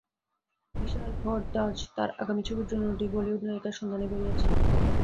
বিশাল ভরদ্বাজ তাঁর আগামী ছবির জন্য দুই বলিউড নায়িকার সন্ধানে বেরিয়েছেন।